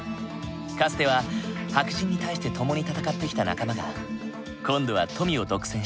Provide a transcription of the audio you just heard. かつては白人に対して共に闘ってきた仲間が今度は富を独占している。